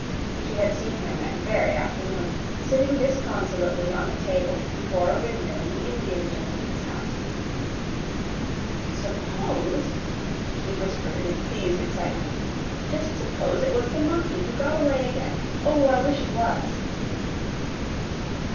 She had seen him that very afternoon, sitting disconsolately on a table before a window in the Indian gentleman's house. "Suppose," she whispered in pleased excitement "just suppose it was the monkey who got away again. Oh, I wish it was!"